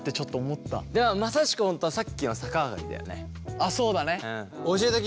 あっそうだね。